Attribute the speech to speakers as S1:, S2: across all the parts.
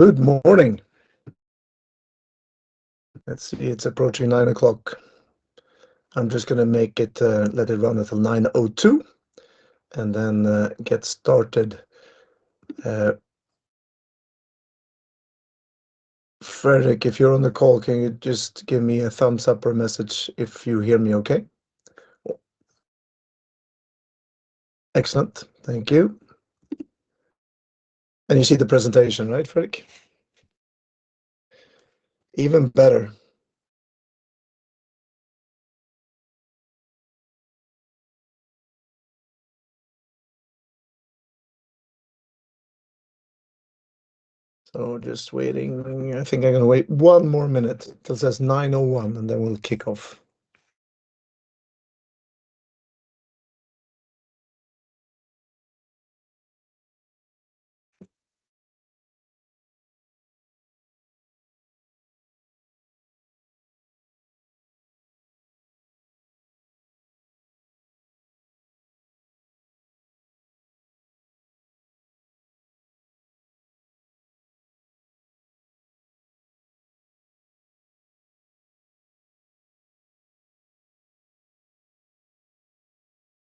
S1: Good morning. Let's see, it's approaching 9:00 A.M. I'm just gonna make it, let it run until 9:02 A.M., and then, get started. Fredrik, if you're on the call, can you just give me a thumbs up or a message if you hear me, okay? Excellent. Thank you. You see the presentation, right, Fredrik? Even better. Just waiting. I think I'm gonna wait one more minute 'til it says 9:01 A.M., and then we'll kick off.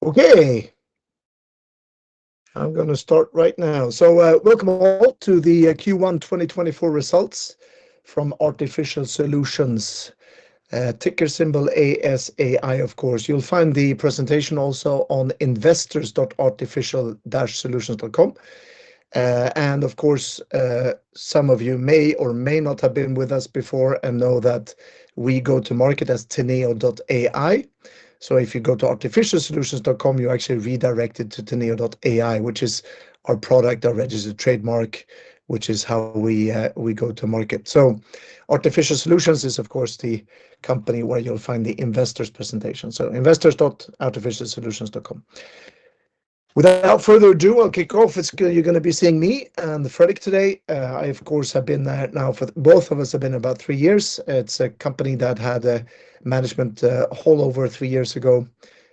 S1: Okay, I'm gonna start right now. Welcome all to the Q1 2024 results from Artificial Solutions, ticker symbol ASAI, of course. You'll find the presentation also on investors.artificial-solutions.com. And of course, some of you may or may not have been with us before and know that we go to market as Teneo.ai. So if you go to artificial-solutions.com, you're actually redirected to Teneo.ai, which is our product, our registered trademark, which is how we, we go to market. So Artificial Solutions is, of course, the company where you'll find the investors' presentation, so investors.artificial-solutions.com. Without further ado, I'll kick off. You're gonna be seeing me and Fredrik today. I, of course, have been there now for—both of us have been about three years. It's a company that had a management overhaul three years ago,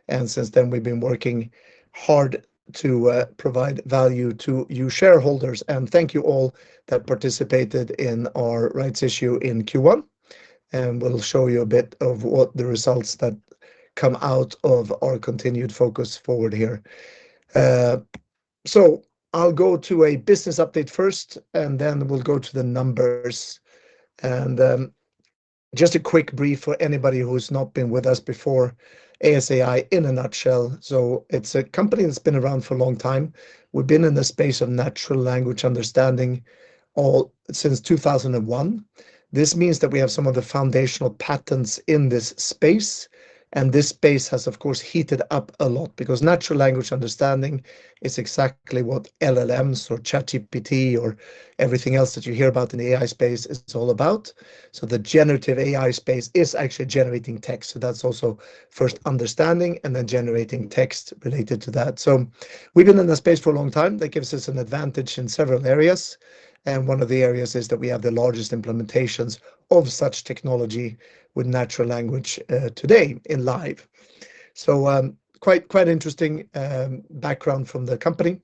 S1: and since then, we've been working hard to provide value to you shareholders. And thank you all that participated in our rights issue in Q1, and we'll show you a bit of what the results that come out of our continued focus forward here. So I'll go to a business update first, and then we'll go to the numbers. Just a quick brief for anybody who's not been with us before, ASAI in a nutshell. It's a company that's been around for a long time. We've been in the space of natural language understanding since 2001. This means that we have some of the foundational patents in this space, and this space has, of course, heated up a lot because natural language understanding is exactly what LLMs or ChatGPT or everything else that you hear about in the AI space is all about. The generative AI space is actually generating text, so that's also first understanding and then generating text related to that. We've been in the space for a long time. That gives us an advantage in several areas, and one of the areas is that we have the largest implementations of such technology with natural language today in live. So, quite interesting background from the company.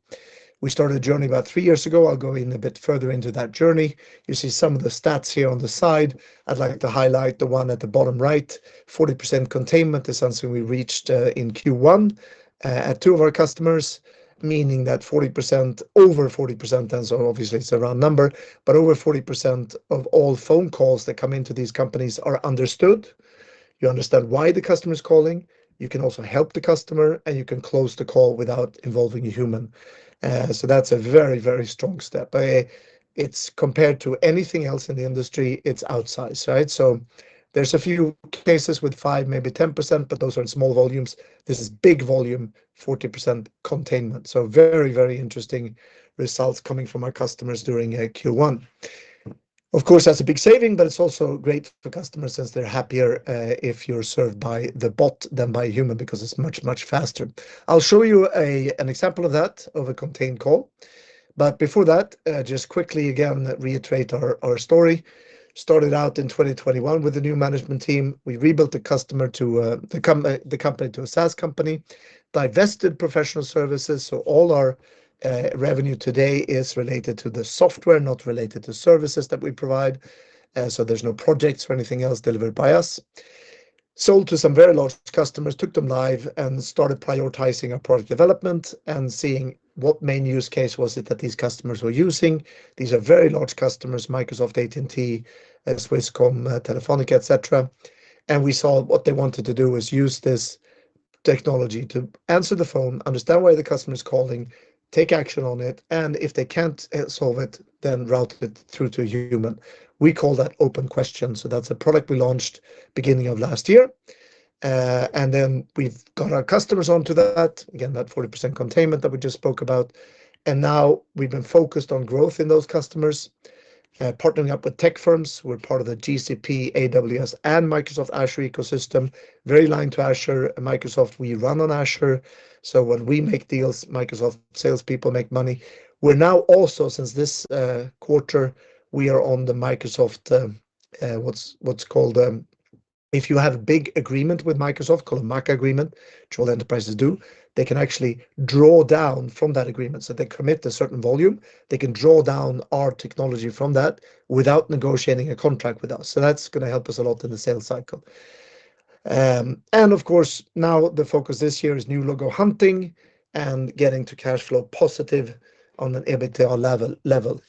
S1: We started a journey about three years ago. I'll go in a bit further into that journey. You see some of the stats here on the side. I'd like to highlight the one at the bottom right. 40% containment is something we reached in Q1 at two of our customers, meaning that 40%—over 40%, and so obviously, it's a round number, but over 40% of all phone calls that come into these companies are understood. You understand why the customer is calling, you can also help the customer, and you can close the call without involving a human. So that's a very, very strong step. It's compared to anything else in the industry, it's outsized, right? So, there's a few cases with five, maybe 10%, but those are in small volumes. This is big volume, 40% containment, so very, very interesting results coming from our customers during Q1. Of course, that's a big saving, but it's also great for customers, since they're happier if you're served by the bot than by a human, because it's much, much faster. I'll show you an example of that, of a contained call, but before that, just quickly again, reiterate our story. Started out in 2021 with a new management team. We rebuilt the customer to, the com-- the company to a SaaS company, divested professional services, so all our revenue today is related to the software, not related to services that we provide. So, there's no projects or anything else delivered by us. Sold to some very large customers, took them live, and started prioritizing our product development and seeing what main use case was it that these customers were using. These are very large customers: Microsoft, AT&T, Swisscom, Telefónica, et cetera. We saw what they wanted to do was use this technology to answer the phone, understand why the customer is calling, take action on it, and if they can't solve it, then route it through to a human. We call that OpenQuestion, so that's a product we launched beginning of last year. We've got our customers onto that. Again, that 40% containment that we just spoke about. Now we've been focused on growth in those customers, partnering up with tech firms. We're part of the GCP, AWS, and Microsoft Azure ecosystem. Very aligned to Azure and Microsoft. We run on Azure, so when we make deals, Microsoft salespeople make money. We're now also, since this quarter, we are on the Microsoft, if you have a big agreement with Microsoft, called a MACC agreement, which all enterprises do, they can actually draw down from that agreement. So they commit a certain volume, they can draw down our technology from that without negotiating a contract with us. So that's gonna help us a lot in the sales cycle. And of course, now the focus this year is new logo hunting and getting to cash flow positive on an EBITDA level.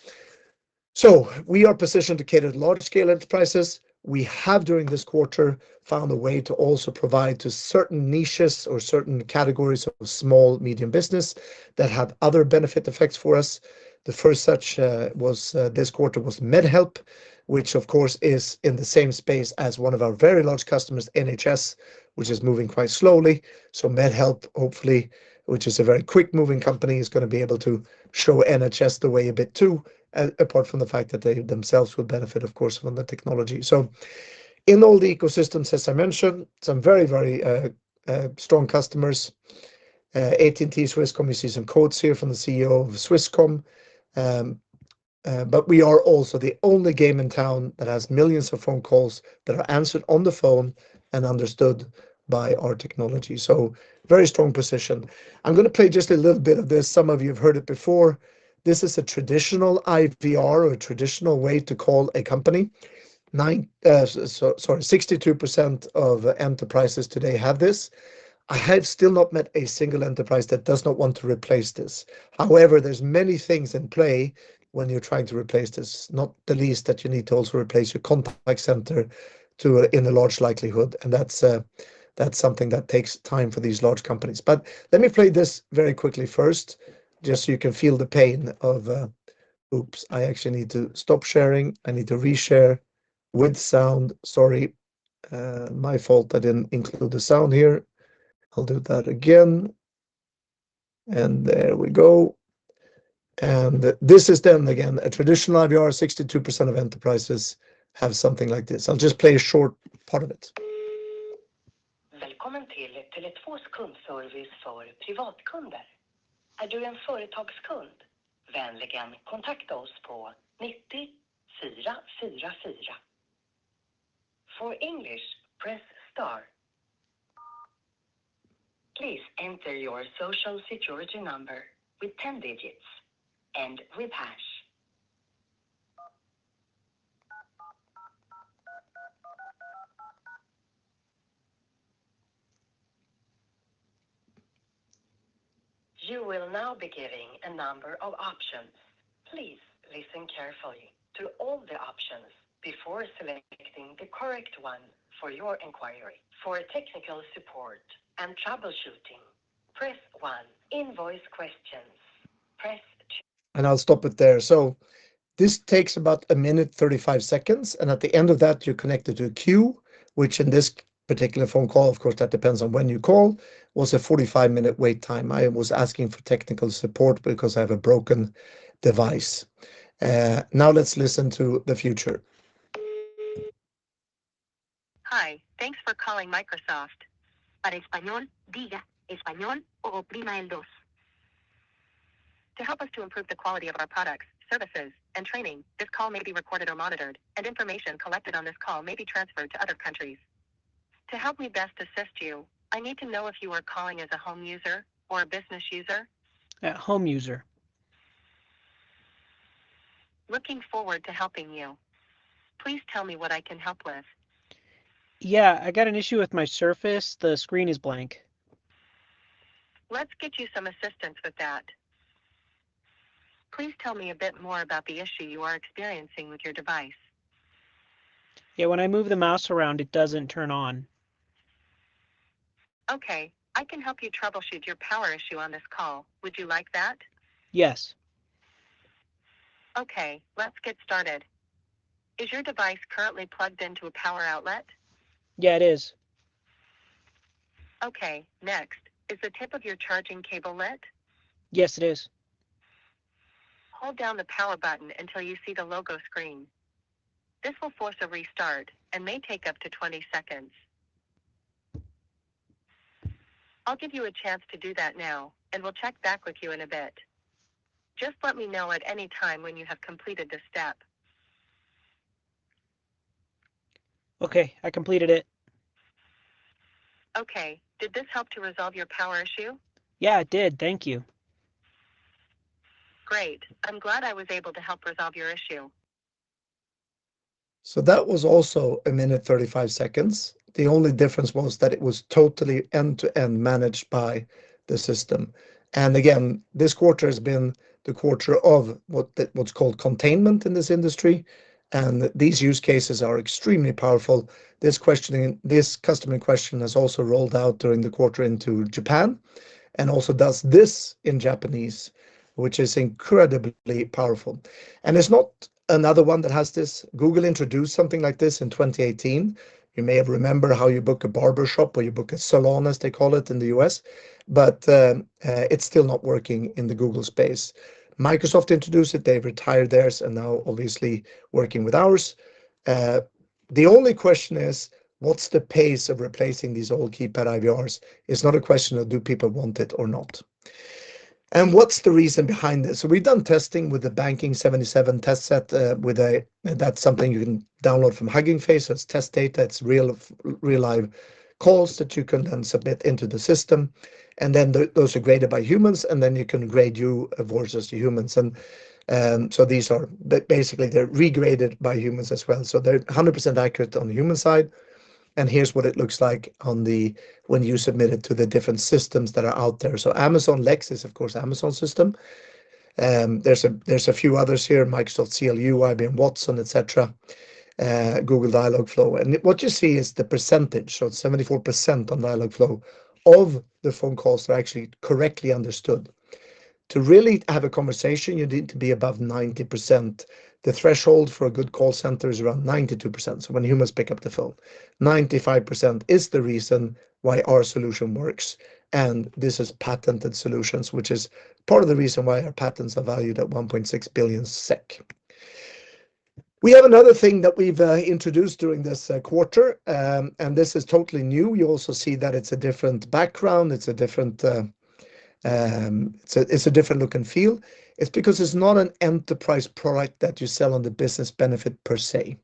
S1: So we are positioned to cater to large-scale enterprises. We have, during this quarter, found a way to also provide to certain niches or certain categories of small, medium business that have other benefit effects for us. The first such was this quarter was MedHelp, which of course, is in the same space as one of our very large customers, NHS, which is moving quite slowly. So MedHelp, hopefully, which is a very quick-moving company, is gonna be able to show NHS the way a bit too, apart from the fact that they themselves will benefit, of course, from the technology. So in all the ecosystems, as I mentioned, some very, very strong customers. AT&T, Swisscom, you see some quotes here from the CEO of Swisscom. But we are also the only game in town that has millions of phone calls that are answered on the phone and understood by our technology, so very strong position. I'm gonna play just a little bit of this. Some of you have heard it before. This is a traditional IVR or a traditional way to call a company. Sorry, 62% of enterprises today have this. I have still not met a single enterprise that does not want to replace this. However, there's many things in play when you're trying to replace this, not the least, that you need to also replace your contact center to a, in a large likelihood, and that's, that's something that takes time for these large companies. But let me play this very quickly first, just so you can feel the pain of... Oops, I actually need to stop sharing. I need to reshare with sound. Sorry, my fault. I didn't include the sound here. I'll do that again. And there we go. And this is then, again, a traditional IVR. 62% of enterprises have something like this. I'll just play a short part of it.
S2: Welcome to Tele2 customer service for private customers. Are you a business customer? Please contact us at 944. For English, press star. Please enter your social security number with 10 digits and with hash. You will now be given a number of options. Please listen carefully to all the options before selecting the correct one for your inquiry. For technical support and troubleshooting, press one. Invoice questions, press two-
S1: I'll stop it there. This takes about one minute, 35 seconds, and at the end of that, you're connected to a queue, which in this particular phone call, of course, that depends on when you call, was a 45-minute wait time. I was asking for technical support because I have a broken device. Now let's listen to the future.
S3: Hi, thanks for calling Microsoft. To help us to improve the quality of our products, services, and training, this call may be recorded or monitored, and information collected on this call may be transferred to other countries. To help me best assist you, I need to know if you are calling as a home user or a business user?
S4: A home user.
S3: Looking forward to helping you. Please tell me what I can help with.
S4: Yeah, I got an issue with my Surface. The screen is blank.
S3: Let's get you some assistance with that. Please tell me a bit more about the issue you are experiencing with your device.
S4: Yeah, when I move the mouse around, it doesn't turn on.
S3: Okay, I can help you troubleshoot your power issue on this call. Would you like that?
S4: Yes.
S3: Okay, let's get started. Is your device currently plugged into a power outlet?
S4: Yeah, it is.
S3: Okay. Next, is the tip of your charging cable lit?
S4: Yes, it is.
S3: Hold down the power button until you see the logo screen. This will force a restart and may take up to 20 seconds. I'll give you a chance to do that now, and we'll check back with you in a bit. Just let me know at any time when you have completed this step.
S4: Okay, I completed it.
S3: Okay. Did this help to resolve your power issue?
S4: Yeah, it did. Thank you.
S3: Great! I'm glad I was able to help resolve your issue.
S1: So that was also a minute, 35 seconds. The only difference was that it was totally end-to-end managed by the system. And again, this quarter has been the quarter of what the, what's called containment in this industry, and these use cases are extremely powerful. This customer question has also rolled out during the quarter into Japan, and also does this in Japanese, which is incredibly powerful. And it's not another one that has this. Google introduced something like this in 2018. You may have remembered how you book a barber shop, or you book a salon, as they call it in the U.S., but, it's still not working in the Google space. Microsoft introduced it, they've retired theirs, and now obviously working with ours. The only question is, what's the pace of replacing these old keypad IVRs? It's not a question of do people want it or not. And what's the reason behind this? So, we've done testing with the Banking77 test set, that's something you can download from Hugging Face. That's test data, it's real, real live calls that you can then submit into the system, and then those are graded by humans, and then you can grade your voices to humans. And, so these are—but basically, they're regraded by humans as well, so they're 100% accurate on the human side. And here's what it looks like on the, when you submit it to the different systems that are out there. So, Amazon Lex is, of course, Amazon system. There are a few others here, Microsoft CLU, IBM Watson, et cetera, Google Dialogflow. What you see is the percentage, so 74% on Dialogflow of the phone calls are actually correctly understood. To really have a conversation, you need to be above 90%. The threshold for a good call center is around 92%, so when humans pick up the phone. 95% is the reason why our solution works, and this is patented solutions, which is part of the reason why our patents are valued at 1.6 billion SEK. We have another thing that we've introduced during this quarter, and this is totally new. You also see that it's a different background, it's a different, so it's a different look and feel. It's because it's not an enterprise product that you sell on the business benefit per se.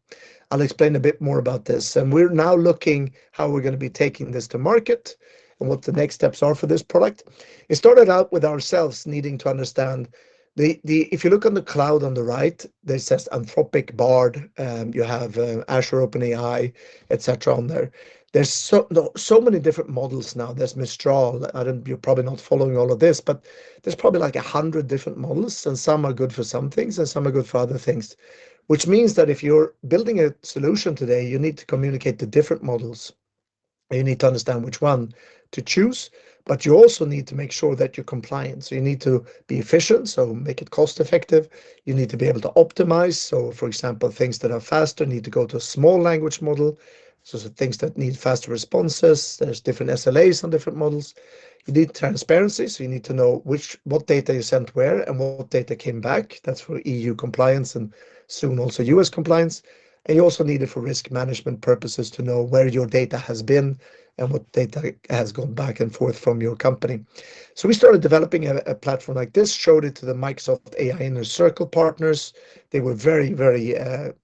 S1: I'll explain a bit more about this. We're now looking how we're gonna be taking this to market and what the next steps are for this product. It started out with ourselves needing to understand the... If you look on the cloud on the right, this says Anthropic, Bard, you have, Azure, OpenAI, et cetera, on there. There's so many different models now. There's Mistral. I don't, you're probably not following all of this, but there's probably, like, 100 different models, and some are good for some things, and some are good for other things. Which means that if you're building a solution today, you need to communicate the different models, and you need to understand which one to choose, but you also need to make sure that you're compliant. So you need to be efficient, so make it cost-effective. You need to be able to optimize, so, for example, things that are faster need to go to a small language model. So the things that need faster responses, there's different SLAs on different models. You need transparency, so you need to know what data you sent where and what data came back. That's for EU compliance and soon also U.S. compliance. And you also need it for risk management purposes to know where your data has been and what data has gone back and forth from your company. So we started developing a platform like this, showed it to the Microsoft AI Inner Circle partners. They were very, very...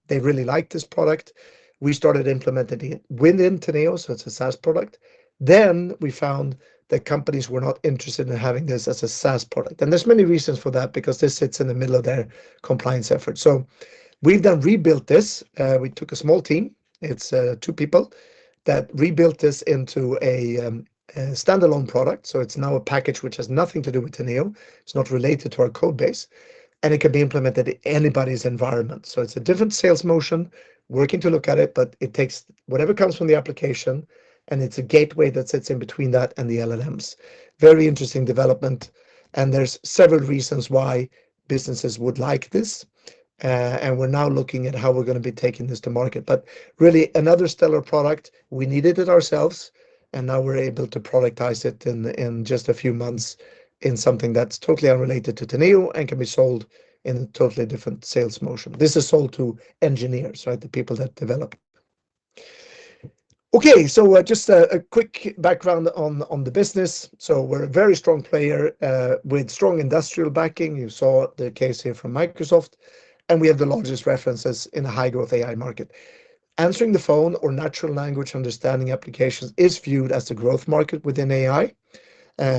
S1: They really liked this product. We started implementing it within Teneo, so it's a SaaS product. Then we found that companies were not interested in having this as a SaaS product. And there's many reasons for that, because this sits in the middle of their compliance effort. So we've done rebuilt this. We took a small team, it's two people, that rebuilt this into a standalone product. So it's now a package which has nothing to do with Teneo. It's not related to our code base, and it can be implemented in anybody's environment. So it's a different sales motion. Working to look at it, but it takes whatever comes from the application, and it's a gateway that sits in between that and the LLMs. Very interesting development, and there's several reasons why businesses would like this, and we're now looking at how we're gonna be taking this to market. But really, another stellar product. We needed it ourselves, and now we're able to productize it in just a few months in something that's totally unrelated to Teneo and can be sold in a totally different sales motion. This is sold to engineers, right? The people that develop. Okay, so just a quick background on the business. So we're a very strong player with strong industrial backing. You saw the case here from Microsoft, and we have the largest references in the high-growth AI market. Answering the phone or natural language understanding applications is viewed as a growth market within AI.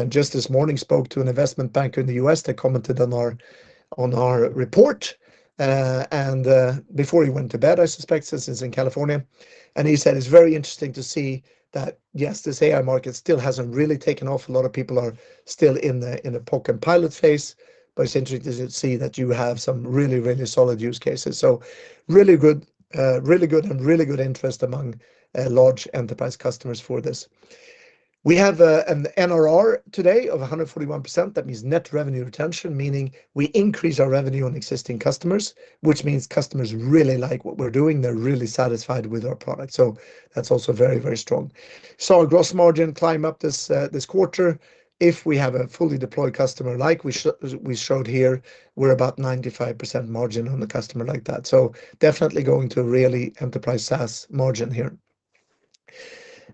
S1: Just this morning, spoke to an investment banker in the U.S. that commented on our report, and, before he went to bed, I suspect, since he's in California, and he said, "It's very interesting to see that, yes, this AI market still hasn't really taken off. A lot of people are still in a POC and pilot phase, but it's interesting to see that you have some really, really solid use cases." So really good, really good, and really good interest among large enterprise customers for this. We have an NRR today of 141%. That means net revenue retention, meaning we increase our revenue on existing customers, which means customers really like what we're doing. They're really satisfied with our product, so that's also very, very strong. Saw our gross margin climb up this quarter. If we have a fully deployed customer, like we showed here, we're about 95% margin on a customer like that, so definitely going to a really enterprise SaaS margin here.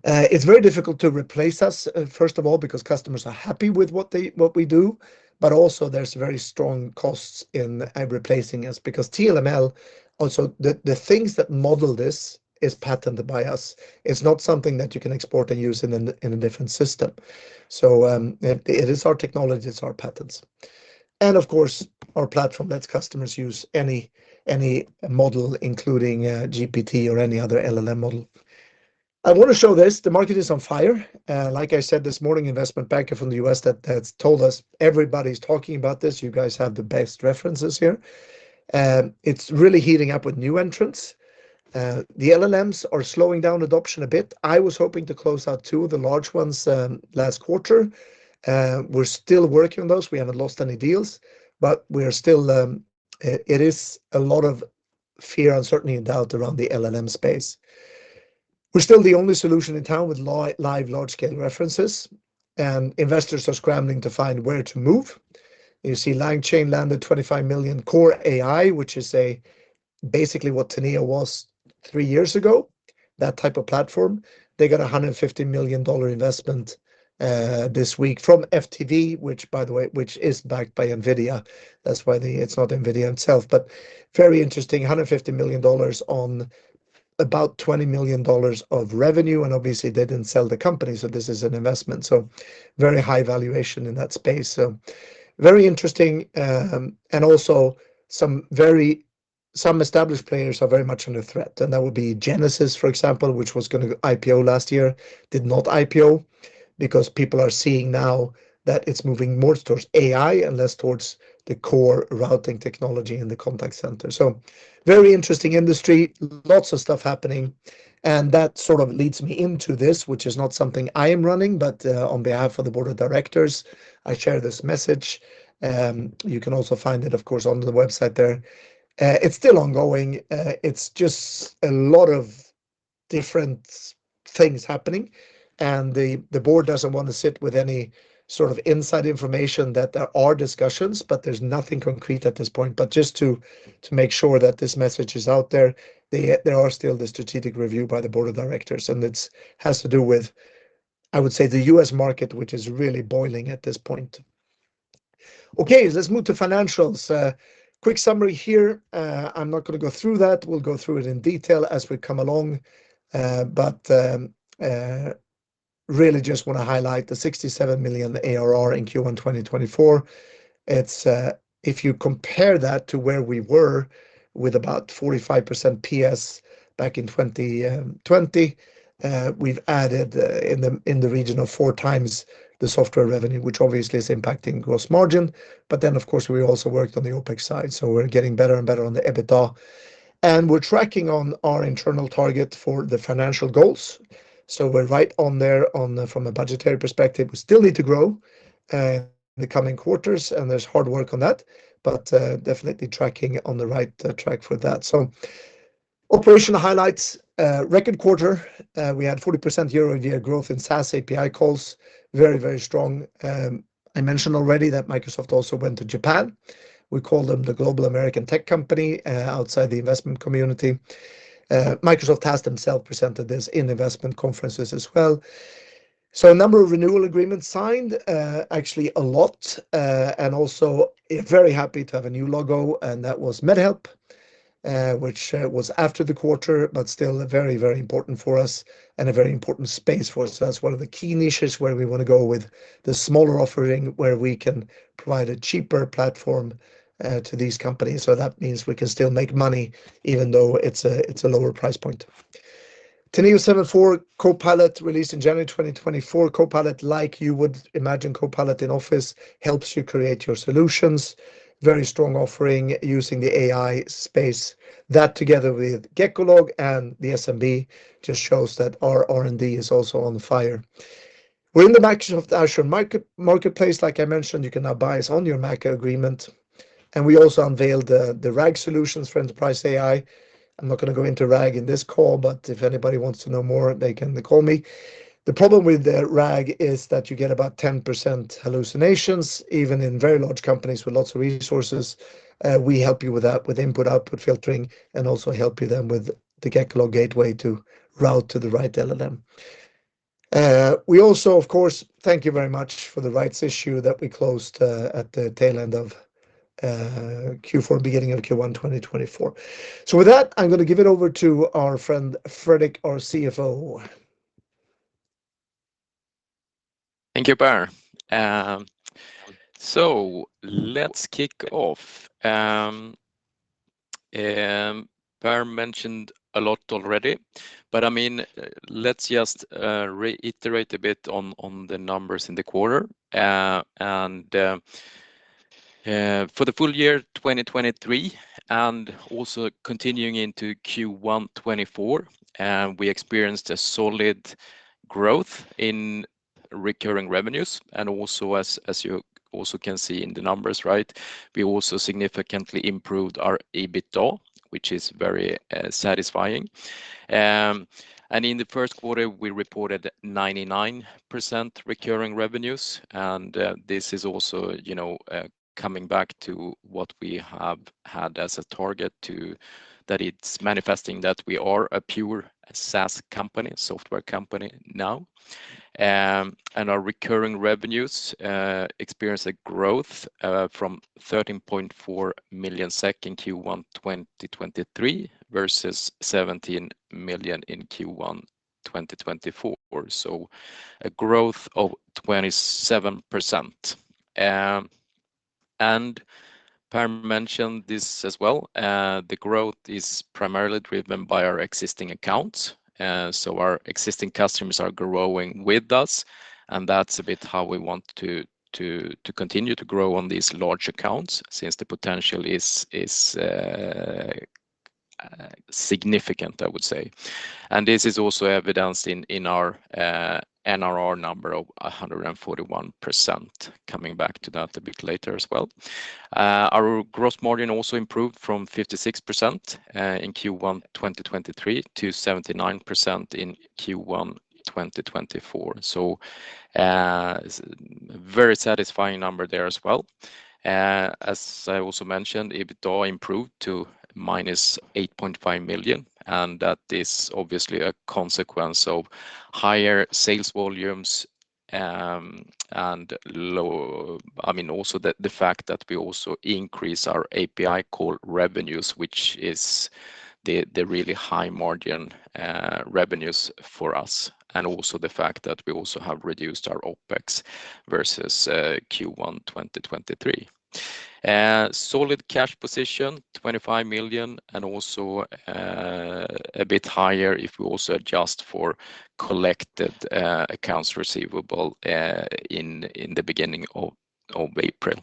S1: It's very difficult to replace us, first of all, because customers are happy with what we do, but also there's very strong costs in replacing us because LLM, also, the things that model this is patented by us. It's not something that you can export and use in a different system. So, it is our technology, it's our patents, and of course, our platform lets customers use any model, including GPT or any other LLM model. I want to show this. The market is on fire. Like I said this morning, investment banker from the U.S. that, that told us, "Everybody's talking about this. You guys have the best references here." It's really heating up with new entrants. The LLMs are slowing down adoption a bit. I was hoping to close out two of the large ones, last quarter. We're still working on those. We haven't lost any deals, but we are still, it is a lot of fear, uncertainty, and doubt around the LLM space. We're still the only solution in town with live large-scale references, and investors are scrambling to find where to move. You see, LangChain landed $25 million Kore.ai, which is a, basically what Teneo was three years ago... that type of platform. They got a $150 million investment this week from FTV, which, by the way, which is backed by NVIDIA. That's why it's not NVIDIA itself, but very interesting. $150 million on about $20 million of revenue, and obviously, they didn't sell the company, so this is an investment, so very high valuation in that space. So very interesting, and also some established players are very much under threat, and that would be Genesys, for example, which was gonna IPO last year, did not IPO because people are seeing now that it's moving more towards AI and less towards the core routing technology in the contact center. So very interesting industry, lots of stuff happening, and that sort of leads me into this, which is not something I am running, but, on behalf of the board of directors, I share this message. You can also find it, of course, on the website there. It's still ongoing. It's just a lot of different things happening, and the, the board doesn't wanna sit with any sort of inside information, that there are discussions, but there's nothing concrete at this point. But just to make sure that this message is out there, there are still the strategic review by the board of directors, and it's has to do with, I would say, the U.S. market, which is really boiling at this point. Okay, let's move to financials. Quick summary here. I'm not gonna go through that. We'll go through it in detail as we come along. But really just wanna highlight the 67 million ARR in Q1 2024. It's if you compare that to where we were with about 45% PS back in 2020, we've added in the region of 4 times the software revenue, which obviously is impacting gross margin, but then, of course, we also worked on the OpEx side, so we're getting better and better on the EBITDA. And we're tracking on our internal target for the financial goals, so we're right on there on the from a budgetary perspective. We still need to grow in the coming quarters, and there's hard work on that, but definitely tracking on the right track for that. So operational highlights, record quarter, we had 40% year-over-year growth in SaaS API calls. Very, very strong. I mentioned already that Microsoft also went to Japan. We call them the global American tech company, outside the investment community. Microsoft has themself presented this in investment conferences as well. A number of renewal agreements signed, actually a lot, and also very happy to have a new logo, and that was MedHelp, which, was after the quarter, but still very, very important for us and a very important space for us. That's one of the key niches where we wanna go with the smaller offering, where we can provide a cheaper platform, to these companies, so that means we can still make money, even though it's a, it's a lower price point. Teneo 7.4 Copilot, released in January 2024. Copilot, like you would imagine, Copilot in Office, helps you create your solutions. Very strong offering using the AI space. That, together with GEICO and the SMB, just shows that our R&D is also on fire. We're in the Microsoft Azure Marketplace. Like I mentioned, you can now buy us on your MACC agreement, and we also unveiled the, the RAG solutions for enterprise AI. I'm not gonna go into RAG in this call, but if anybody wants to know more, they can call me. The problem with the RAG is that you get about 10% hallucinations, even in very large companies with lots of resources. We help you with that, with input, output filtering, and also help you then with the GEICO gateway to route to the right LLM. We also, of course, thank you very much for the rights issue that we closed at the tail end of Q4, beginning of Q1 2024. So with that, I'm gonna give it over to our friend, Fredrik, our CFO.
S5: Thank you, Per. So let's kick off. Per mentioned a lot already, but, I mean, let's just reiterate a bit on the numbers in the quarter. And for the full year 2023, and also continuing into Q1 2024, we experienced a solid growth in recurring revenues, and also as you also can see in the numbers, right? We also significantly improved our EBITDA, which is very satisfying. And in the first quarter, we reported 99% recurring revenues, and this is also, you know, coming back to what we have had as a target to... that it's manifesting that we are a pure SaaS company, software company now. Our recurring revenues experienced a growth from 13.4 million SEK in Q1 2023 versus 17 million in Q1 2024, so a growth of 27%. Per mentioned this as well, the growth is primarily driven by our existing accounts, so our existing customers are growing with us, and that's a bit how we want to continue to grow on these large accounts since the potential is significant, I would say. This is also evidenced in our NRR number of 141%. Coming back to that a bit later as well. Our gross margin also improved from 56% in Q1 2023 to 79% in Q1 2024, so very satisfying number there as well. As I also mentioned, EBITDA improved to -8.5 million, and that is obviously a consequence of higher sales volumes and also the fact that we also increase our API call revenues, which is the really high-margin revenues for us, and also the fact that we also have reduced our OpEx versus Q1 2023. Solid cash position, 25 million, and also a bit higher if we also adjust for collected accounts receivable in the beginning of April.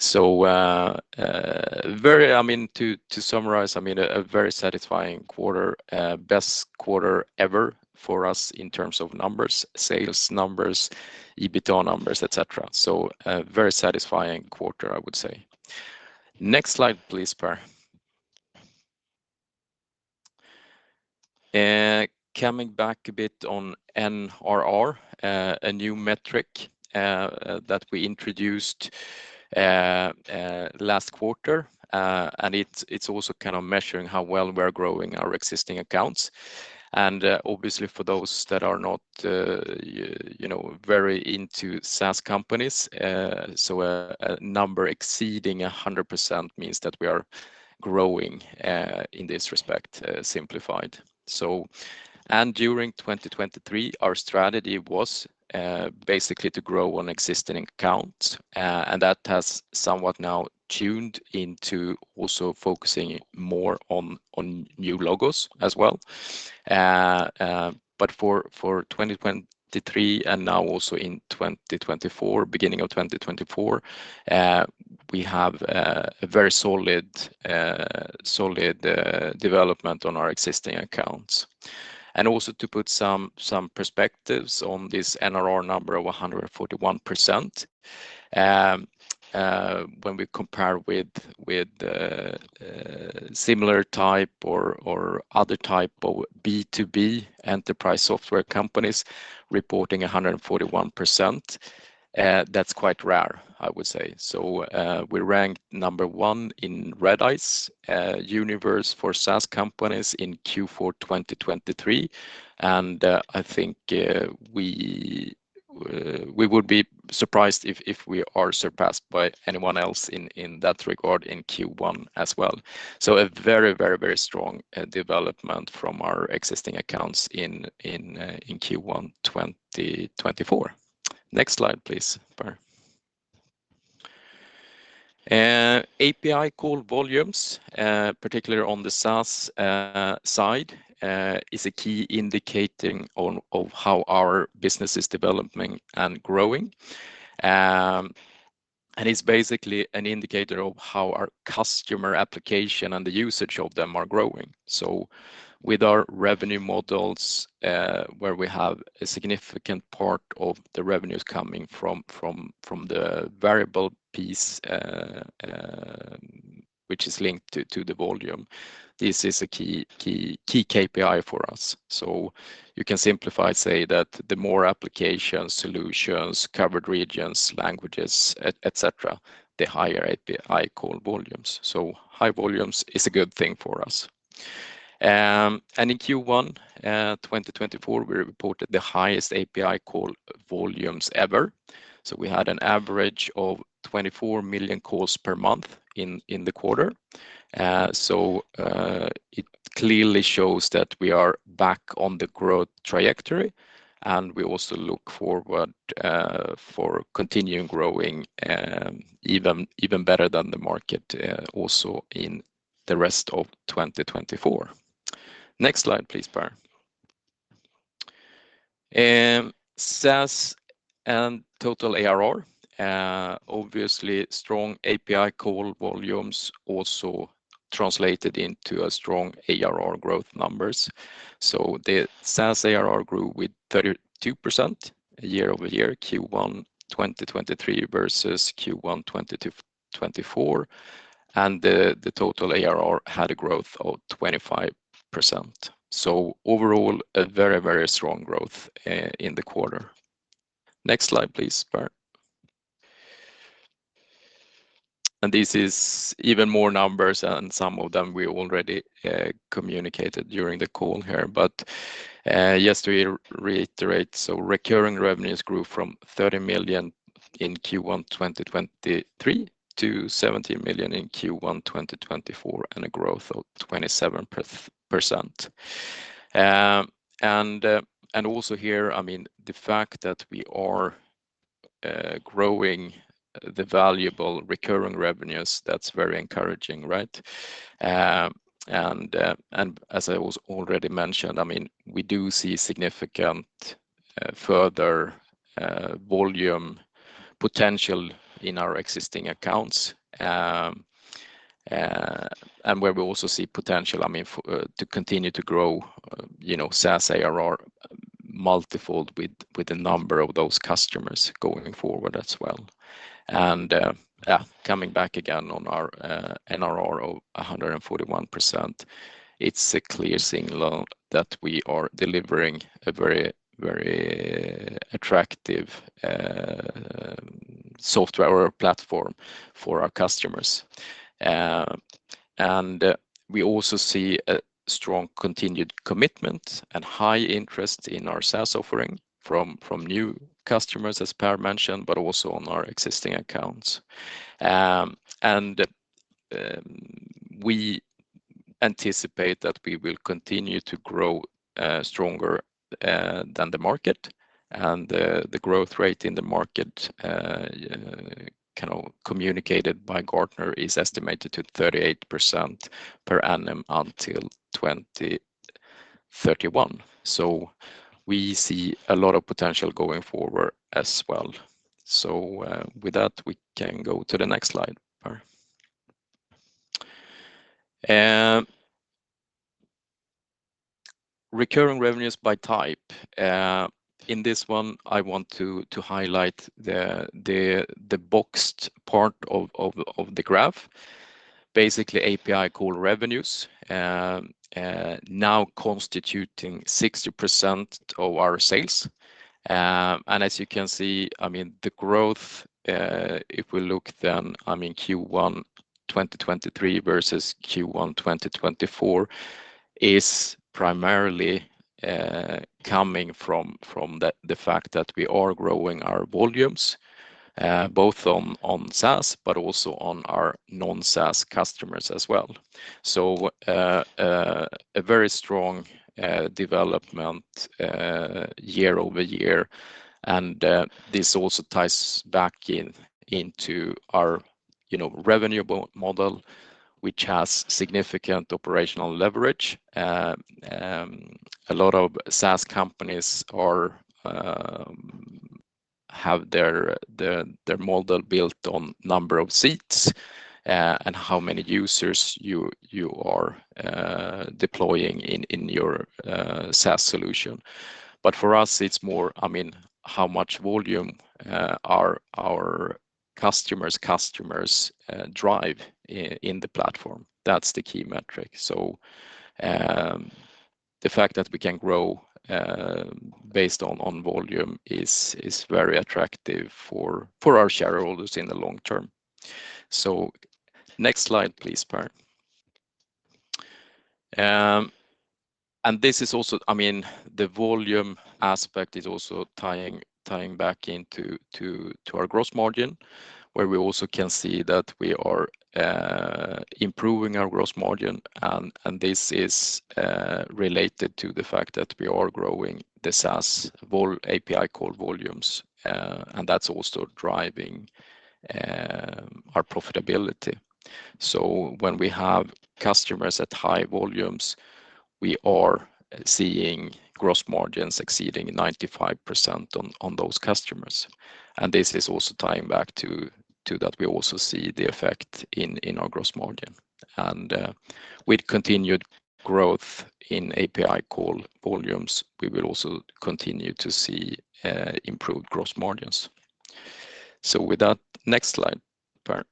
S5: So, very—I mean, to summarize, I mean, a very satisfying quarter. Best quarter ever for us in terms of numbers, sales numbers, EBITDA numbers, et cetera. So, very satisfying quarter, I would say. Next slide, please, Per. Coming back a bit on NRR, a new metric that we introduced last quarter. And it's also kind of measuring how well we're growing our existing accounts. And obviously, for those that are not you know very into SaaS companies, so a number exceeding 100% means that we are growing in this respect, simplified. So... And during 2023, our strategy was basically to grow on existing accounts, and that has somewhat now tuned into also focusing more on new logos as well. But for 2023, and now also in 2024, beginning of 2024, we have a very solid development on our existing accounts. And also to put some perspectives on this NRR number of 141%, when we compare with similar type or other type of B2B enterprise software companies reporting 141%, that's quite rare, I would say. So, we ranked number one in Redeye universe for SaaS companies in Q4 2023. And, I think, we would be surprised if we are surpassed by anyone else in that regard in Q1 as well. So a very, very, very strong development from our existing accounts in Q1 2024. Next slide, please, Per. API call volumes, particularly on the SaaS side, is a key indicating on... of how our business is developing and growing. And it's basically an indicator of how our customer application and the usage of them are growing. So with our revenue models, where we have a significant part of the revenues coming from the variable piece, which is linked to the volume, this is a key KPI for us. So you can simplify, say, that the more applications, solutions, covered regions, languages, et cetera, the higher API call volumes. So high volumes is a good thing for us. And in Q1 2024, we reported the highest API call volumes ever. So we had an average of 24 million calls per month in the quarter. So, it clearly shows that we are back on the growth trajectory, and we also look forward for continuing growing, even better than the market, also in the rest of 2024. Next slide, please, Per. SaaS and total ARR. Obviously, strong API call volumes also translated into a strong ARR growth numbers. So the SaaS ARR grew with 32% year-over-year, Q1 2023 versus Q1 2024. And the total ARR had a growth of 25%. So overall, a very, very strong growth in the quarter. Next slide, please, Per. And this is even more numbers, and some of them we already communicated during the call here. But just to reiterate, so recurring revenues grew from 30 million in Q1 2023-SEK 17 million in Q1 2024, and a growth of 27%. And also here, I mean, the fact that we are growing the valuable recurring revenues, that's very encouraging, right? And as I also already mentioned, I mean, we do see significant further volume potential in our existing accounts. And where we also see potential, I mean, for to continue to grow, you know, SaaS ARR multifold with the number of those customers going forward as well. And yeah, coming back again on our NRR of 141%, it's a clear signal that we are delivering a very, very attractive software or platform for our customers. And we also see a strong continued commitment and high interest in our SaaS offering from new customers, as Per mentioned, but also on our existing accounts. We anticipate that we will continue to grow stronger than the market. The growth rate in the market, kind of communicated by Gartner, is estimated to 38% per annum until 2031. So we see a lot of potential going forward as well. With that, we can go to the next slide, Per. Recurring revenues by type. In this one, I want to highlight the boxed part of the graph. Basically, API call revenues now constituting 60% of our sales. And as you can see, I mean, the growth, if we look then, I mean, Q1 2023 versus Q1 2024, is primarily coming from the fact that we are growing our volumes both on SaaS, but also on our non-SaaS customers as well. So, a very strong development year-over-year. And this also ties back into our, you know, revenue model, which has significant operational leverage. A lot of SaaS companies have their model built on number of seats and how many users you are deploying in your SaaS solution. But for us, it's more, I mean, how much volume our customers drive in the platform? That's the key metric. So, the fact that we can grow based on volume is very attractive for our shareholders in the long term. So next slide, please, Per. And this is also... I mean, the volume aspect is also tying back into our gross margin, where we also can see that we are improving our gross margin. And this is related to the fact that we are growing the SaaS vol-- API call volumes, and that's also driving our profitability. So when we have customers at high volumes, we are seeing gross margins exceeding 95% on those customers. And this is also tying back to that we also see the effect in our gross margin. And with continued growth in API call volumes, we will also continue to see improved gross margins. So with that, next slide, Per.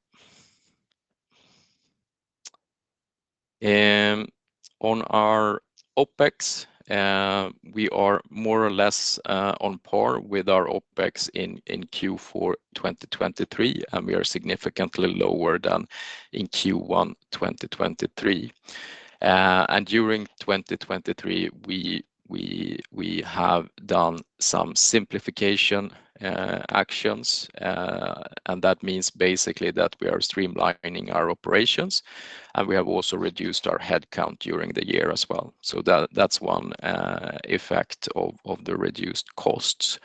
S5: On our OpEx, we are more or less on par with our OpEx in Q4 2023, and we are significantly lower than in Q1 2023. And during 2023, we have done some simplification actions. And that means, basically, that we are streamlining our operations, and we have also reduced our headcount during the year as well. So that, that's one effect of the reduced costs.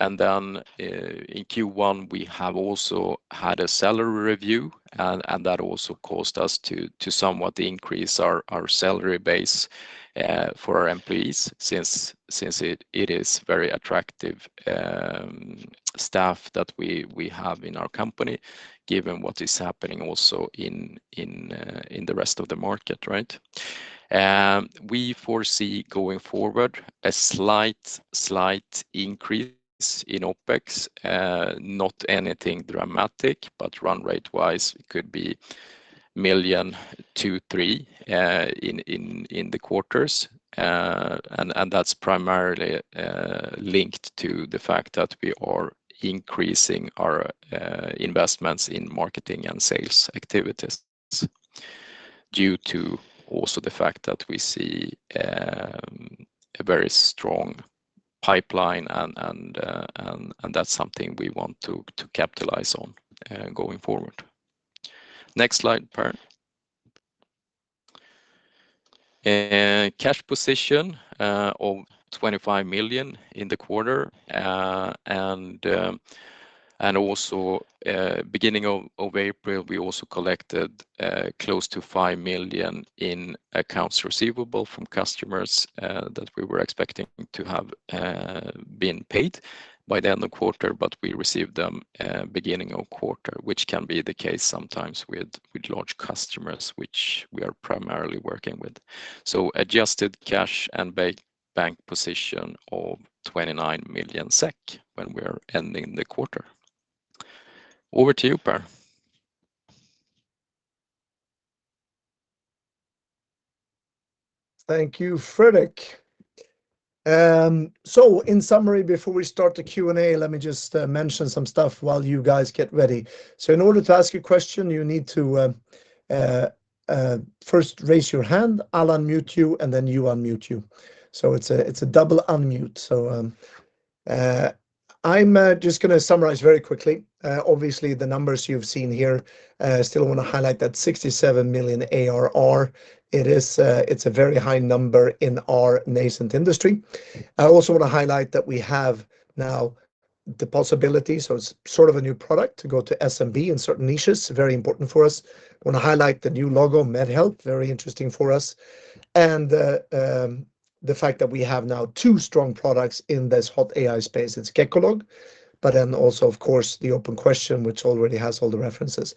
S5: And then, in Q1, we have also had a salary review, and that also caused us to somewhat increase our salary base for our employees, since it is very attractive staff that we have in our company, given what is happening also in the rest of the market, right? We foresee, going forward, a slight increase in OpEx. Not anything dramatic, but run rate-wise, it could be 2 million-3 million in the quarters. And that's primarily linked to the fact that we are increasing our investments in marketing and sales activities, due to also the fact that we see a very strong pipeline and that's something we want to capitalize on, going forward. Next slide, Per. Cash position of 25 million in the quarter. And also, beginning of April, we also collected close to 5 million in accounts receivable from customers that we were expecting to have been paid by the end of quarter. But we received them beginning of quarter, which can be the case sometimes with large customers, which we are primarily working with. So adjusted cash and bank position of 29 million SEK when we are ending the quarter. Over to you, Per.
S1: Thank you, Fredrik. So in summary, before we start the Q&A, let me just mention some stuff while you guys get ready. So in order to ask a question, you need to first raise your hand, I'll unmute you, and then you unmute you. So it's a double unmute. So I'm just gonna summarize very quickly. Obviously, the numbers you've seen here, still want to highlight that 67 million ARR. It is, it's a very high number in our nascent industry. I also want to highlight that we have now the possibility, so it's sort of a new product, to go to SMB in certain niches, very important for us. I want to highlight the new logo, MedHelp, very interesting for us, and the fact that we have now two strong products in this hot AI space, it's GEICO, but then also, of course, the OpenQuestion, which already has all the references.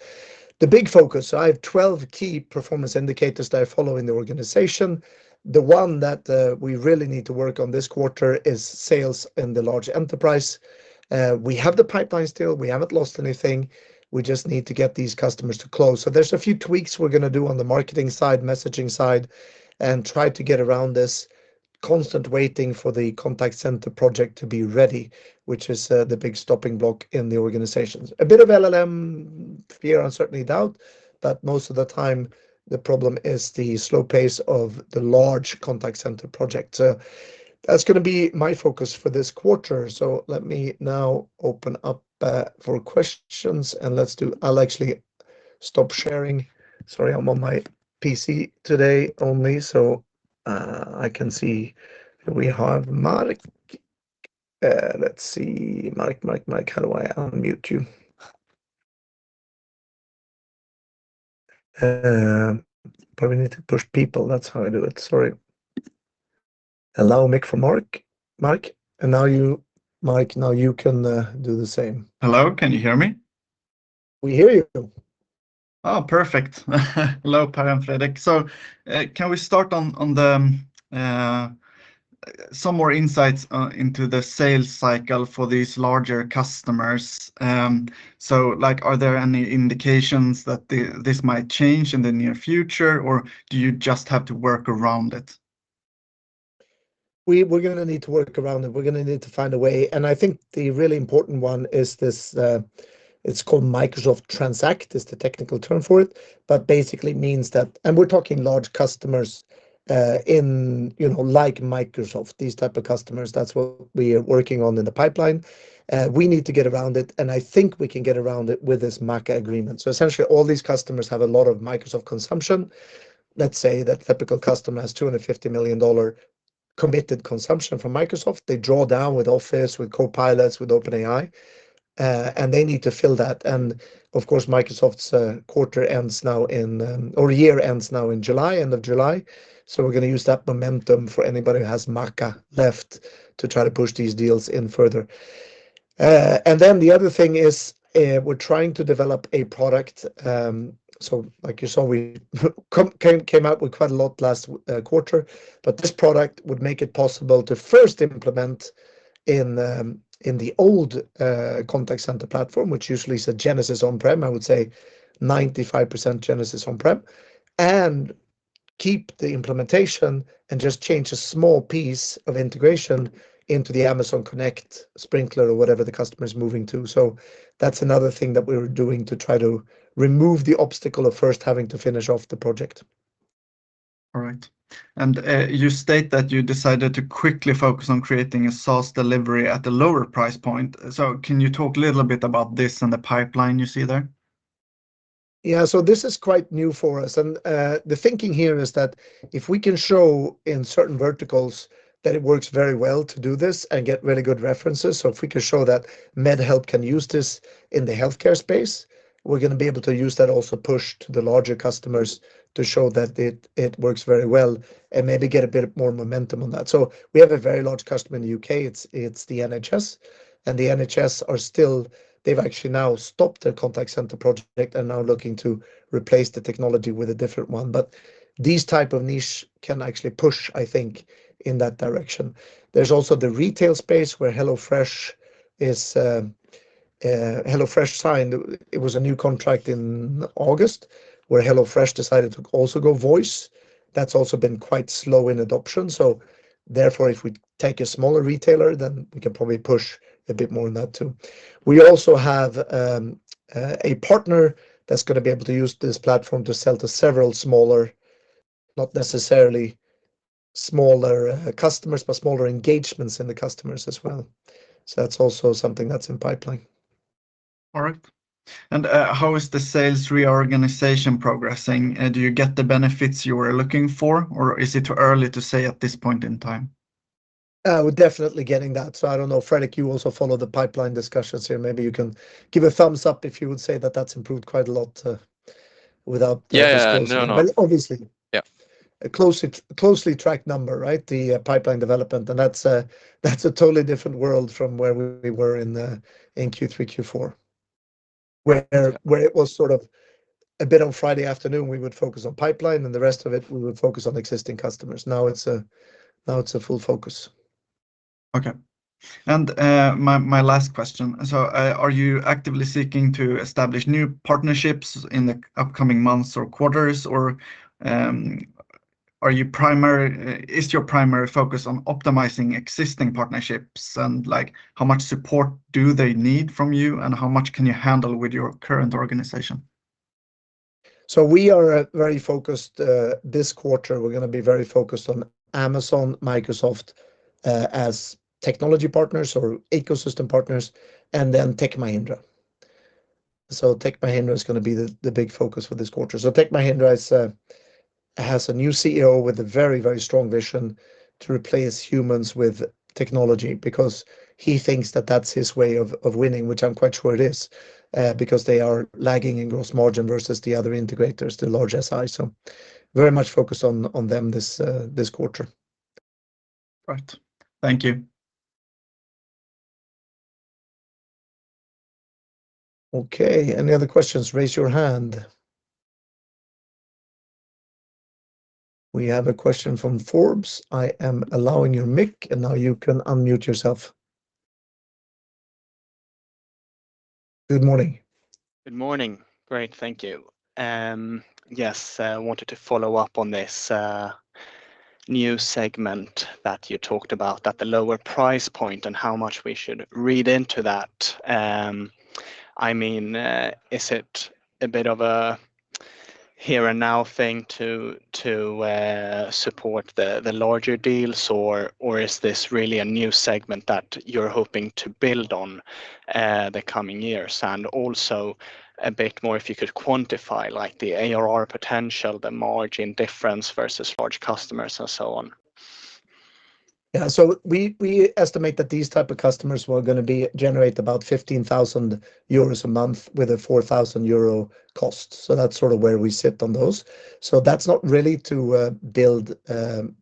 S1: The big focus, I have 12 key performance indicators that I follow in the organization. The one that we really need to work on this quarter is sales in the large enterprise. We have the pipeline still, we haven't lost anything. We just need to get these customers to close. So there's a few tweaks we're going to do on the marketing side, messaging side, and try to get around this constant waiting for the contact center project to be ready, which is the big stopping block in the organizations. A bit of LLM fear, uncertainty, doubt, but most of the time, the problem is the slow pace of the large contact center project. That's going to be my focus for this quarter. So let me now open up for questions, and let's do—I'll actually stop sharing. Sorry, I'm on my PC today only, so I can see we have Mark. Let's see, Mark, Mark, Mark, how do I unmute you? Probably need to push people. That's how I do it. Sorry. Allow mic for Mark. Mark, and now you, Mark, now you can do the same.
S6: Hello, can you hear me?
S1: We hear you.
S6: Oh, perfect. Hello, Per and Fredrik. So, can we start on some more insights into the sales cycle for these larger customers? So like, are there any indications that this might change in the near future, or do you just have to work around it?
S1: We're gonna need to work around it. We're gonna need to find a way, and I think the really important one is this, it's called Microsoft Transact, is the technical term for it, but basically means that, and we're talking large customers, you know, like Microsoft, these type of customers, that's what we are working on in the pipeline. We need to get around it, and I think we can get around it with this MACC agreement. So essentially, all these customers have a lot of Microsoft consumption. Let's say that typical customer has $250 million committed consumption from Microsoft. They draw down with Office, with Copilots, with OpenAI, and they need to fill that. And of course, Microsoft's quarter ends now in, or year ends now in July, end of July. So we're gonna use that momentum for anybody who has MACC left to try to push these deals in further. And then the other thing is, we're trying to develop a product, so like you saw, we came out with quite a lot last quarter, but this product would make it possible to first implement in the old contact center platform, which usually is a Genesys on-prem, I would say 95% Genesys on-prem, and keep the implementation and just change a small piece of integration into the Amazon Connect Sprinklr or whatever the customer is moving to. So that's another thing that we're doing to try to remove the obstacle of first having to finish off the project.
S6: All right. You state that you decided to quickly focus on creating a SaaS delivery at a lower price point. Can you talk a little bit about this and the pipeline you see there?
S1: Yeah, so this is quite new for us, and the thinking here is that if we can show in certain verticals that it works very well to do this and get really good references, so if we can show that MedHelp can use this in the healthcare space, we're gonna be able to use that, also push to the larger customers to show that it works very well and maybe get a bit more momentum on that. So we have a very large customer in the U.K., it's the NHS, and the NHS are still... They've actually now stopped their contact center project and are now looking to replace the technology with a different one. But these type of niche can actually push, I think, in that direction. There's also the retail space, where HelloFresh is, HelloFresh signed, it was a new contract in August, where HelloFresh decided to also go voice. That's also been quite slow in adoption, so therefore, if we take a smaller retailer, then we can probably push a bit more on that, too. We also have, a partner that's gonna be able to use this platform to sell to several smaller, not necessarily smaller, customers, but smaller engagements in the customers as well. So that's also something that's in pipeline.
S6: All right. And, how is the sales reorganization progressing? Do you get the benefits you were looking for, or is it too early to say at this point in time?
S1: We're definitely getting that. So I don't know, Fredrik, you also follow the pipeline discussions here. Maybe you can give a thumbs up if you would say that that's improved quite a lot, without-
S5: Yeah, no, no.
S1: But obviously-
S5: Yeah
S1: a closely tracked number, right? The pipeline development, and that's a totally different world from where we were in Q3, Q4, where it was sort of a bit on Friday afternoon, we would focus on pipeline, and the rest of it, we would focus on existing customers. Now it's a full focus.
S6: Okay, and, my, my last question. So, are you actively seeking to establish new partnerships in the upcoming months or quarters? Or, are you primary- is your primary focus on optimizing existing partnerships? And, like, how much support do they need from you, and how much can you handle with your current organization?
S1: So we are very focused, this quarter. We're gonna be very focused on Amazon, Microsoft, as technology partners or ecosystem partners, and then Tech Mahindra. So Tech Mahindra is gonna be the big focus for this quarter. So Tech Mahindra is, has a new CEO with a very, very strong vision to replace humans with technology, because he thinks that that's his way of winning, which I'm quite sure it is, because they are lagging in gross margin versus the other integrators, the large SI. So very much focused on them this quarter.
S6: Right. Thank you.
S1: Okay, any other questions, raise your hand. We have a question from Forbes. I am allowing your mic, and now you can unmute yourself. Good morning.
S7: Good morning. Great, thank you. Yes, I wanted to follow up on this, new segment that you talked about, at the lower price point, and how much we should read into that. I mean, is it a bit of a here-and-now thing to support the larger deals, or is this really a new segment that you're hoping to build on, the coming years? And also, a bit more, if you could quantify, like the ARR potential, the margin difference versus large customers, and so on.
S1: Yeah, so we estimate that these type of customers were gonna be generate about 15,000 euros a month, with a 4,000 euro cost. So that's sort of where we sit on those. So that's not really to build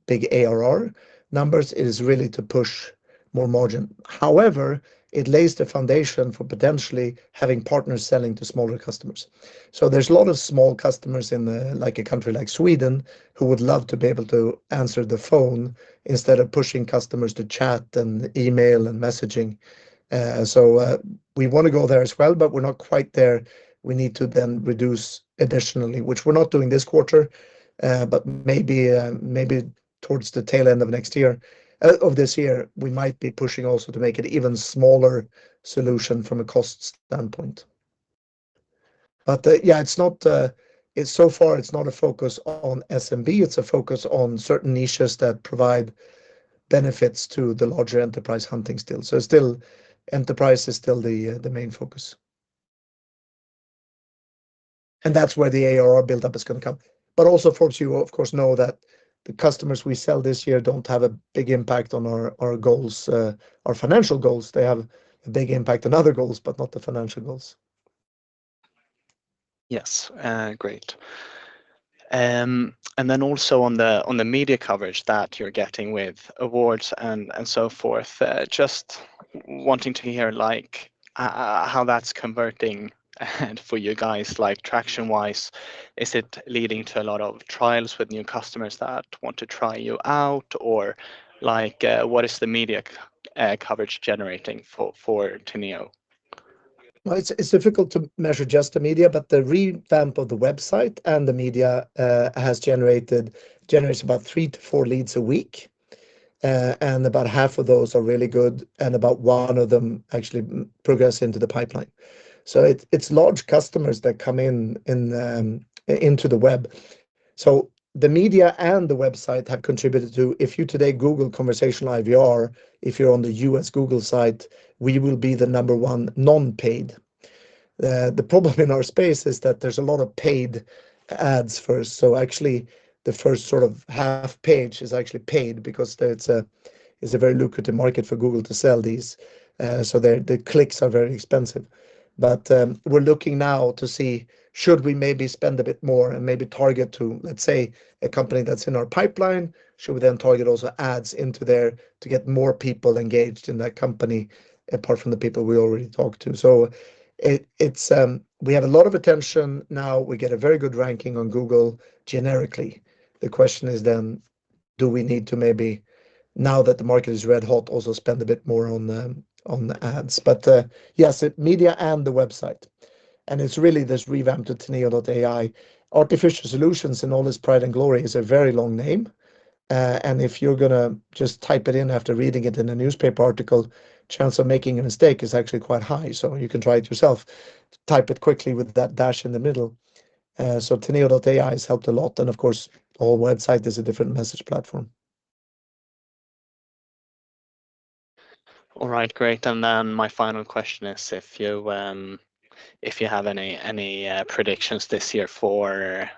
S1: big ARR numbers, it is really to push more margin. However, it lays the foundation for potentially having partners selling to smaller customers. So there's a lot of small customers in the, like a country like Sweden, who would love to be able to answer the phone instead of pushing customers to chat and email and messaging. So, we wanna go there as well, but we're not quite there. We need to then reduce additionally, which we're not doing this quarter, but maybe, maybe towards the tail end of next year, of this year, we might be pushing also to make it even smaller solution from a cost standpoint. But, yeah, it's not, it's so far, it's not a focus on SMB, it's a focus on certain niches that provide benefits to the larger enterprise hunting still. So still, enterprise is still the, the main focus. And that's where the ARR buildup is gonna come. But also, Forbes, you of course know that the customers we sell this year don't have a big impact on our, our goals, our financial goals. They have a big impact on other goals, but not the financial goals.
S7: Yes, great. And then also on the media coverage that you're getting with awards and so forth, just wanting to hear, like, how that's converting for you guys, like, traction-wise. Is it leading to a lot of trials with new customers that want to try you out? Or like, what is the media coverage generating for Teneo?
S1: Well, it's difficult to measure just the media, but the revamp of the website and the media has generated, generates about 3-4 leads a week. And about half of those are really good, and about one of them actually progress into the pipeline. So it's large customers that come in into the web. So the media and the website have contributed to, if you today Google conversational IVR, if you're on the U.S. Google site, we will be the number one non-paid. The problem in our space is that there's a lot of paid ads first. So actually, the first sort of half page is actually paid, because that's a, it's a very lucrative market for Google to sell these. So the clicks are very expensive. But, we're looking now to see, should we maybe spend a bit more and maybe target to, let's say, a company that's in our pipeline? Should we then target also ads into there, to get more people engaged in that company, apart from the people we already talked to? So it's, we have a lot of attention now. We get a very good ranking on Google generically. The question is then, do we need to maybe, now that the market is red hot, also spend a bit more on the ads? But, yes, the media and the website, and it's really this revamped to Teneo.ai. Artificial Solutions, in all its pride and glory, is a very long name, and if you're gonna just type it in after reading it in a newspaper article, chance of making a mistake is actually quite high, so you can try it yourself. Type it quickly with that dash in the middle. So Teneo.ai has helped a lot, and of course, our website is a different message platform.
S7: All right, great. And then my final question is if you have any predictions this year for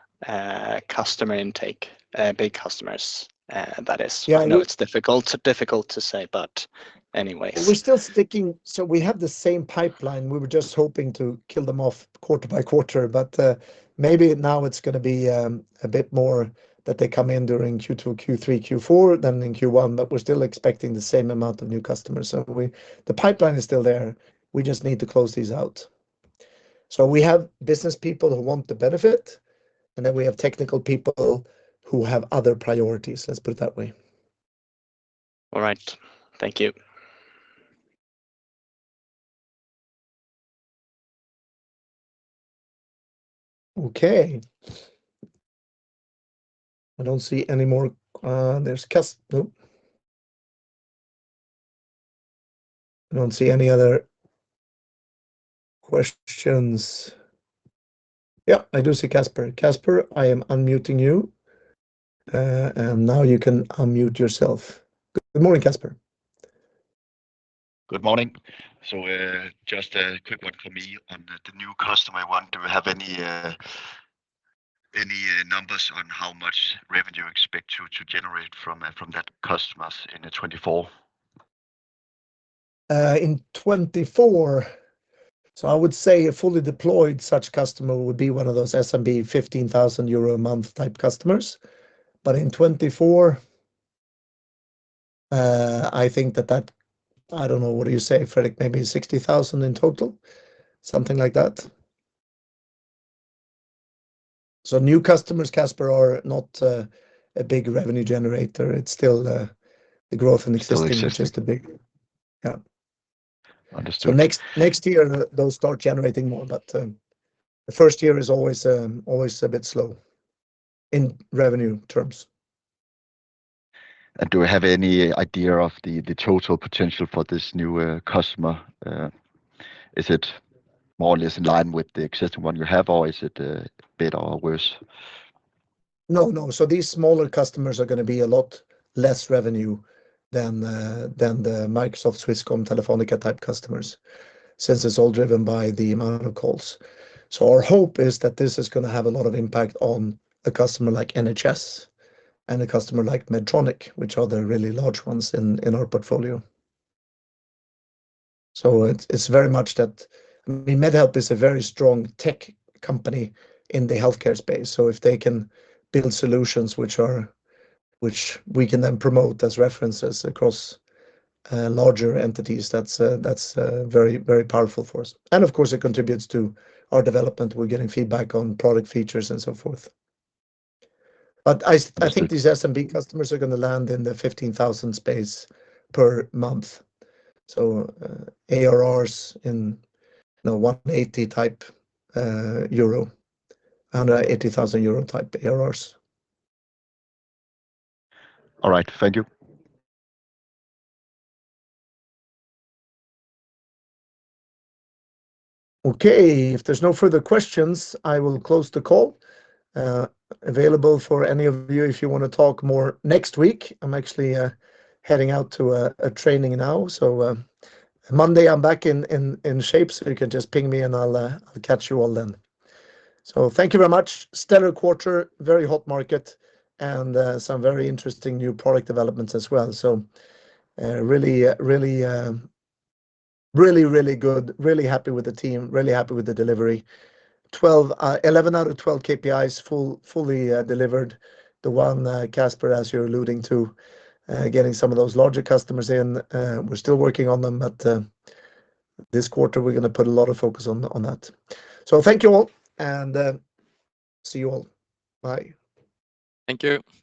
S7: customer intake, big customers, that is-
S1: Yeah, I know.
S7: I know it's difficult, difficult to say, but anyways.
S1: We're still sticking, so we have the same pipeline. We were just hoping to kill them off quarter by quarter, but maybe now it's gonna be a bit more that they come in during Q2, Q3, Q4, than in Q1, but we're still expecting the same amount of new customers. So the pipeline is still there, we just need to close these out. So we have business people who want the benefit, and then we have technical people who have other priorities, let's put it that way.
S7: All right. Thank you.
S1: Okay. I don't see any more. Nope. I don't see any other questions. Yeah, I do see Kasper. Kasper, I am unmuting you, and now you can unmute yourself. Good morning, Kasper.
S8: Good morning. So, just a quick one for me on the new customer one. Do we have any numbers on how much revenue you expect to generate from that customers in the 2024?
S1: In 2024, so I would say a fully deployed such customer would be one of those SMB 15,000 euro a month type customer. But in 2024, I think I don't know, what do you say, Fredrik? Maybe 60,000 in total, something like that.
S5: So new customers, Kasper, are not a big revenue generator. It's still the growth in existing-
S8: Still existing.
S1: is just the big... Yeah.
S8: Understood.
S5: Next, next year, they'll start generating more, but, the first year is always, always a bit slow in revenue terms.
S8: Do we have any idea of the total potential for this new customer? Is it more or less in line with the existing one you have, or is it better or worse?
S5: No, no. So, these smaller customers are gonna be a lot less revenue than, than the Microsoft, Swisscom, Telefónica type customers, since it's all driven by the number of calls. So, our hope is that this is gonna have a lot of impact on a customer like NHS and a customer like Medtronic, which are the really large ones in our portfolio. So, it's, it's very much that... I mean, MedHelp is a very strong tech company in the healthcare space, so if they can build solutions which we can then promote as references across larger entities, that's, that's very, very powerful for us. And of course, it contributes to our development. We're getting feedback on product features and so forth.
S8: Understood.
S5: But I, I think these SMB customers are gonna land in the 15,000 space per month. So, ARRs in, you know, 180-type EUR 180,000-type ARRs.
S8: All right. Thank you.
S1: Okay, if there's no further questions, I will close the call. Available for any of you if you wanna talk more next week. I'm actually heading out to a training now, so Monday, I'm back in shape, so you can just ping me, and I'll catch you all then. So thank you very much. Stellar quarter, very hot market, and some very interesting new product developments as well. So really, really good. Really happy with the team, really happy with the delivery. 12, 11 out of 12 KPIs fully delivered. The one, Kasper, as you're alluding to, getting some of those larger customers in, we're still working on them, but this quarter, we're gonna put a lot of focus on that. Thank you all and see you all. Bye.
S5: Thank you.